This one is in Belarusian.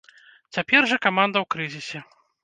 Цяпер жа каманда ў крызісе.